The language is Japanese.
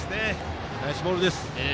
ナイスボールです。